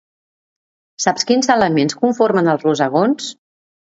Saps quins elements conformen els rosegons?